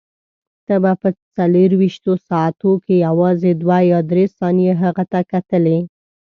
ته به په څلورویشتو ساعتو کې یوازې دوه یا درې ثانیې هغه ته کتلې.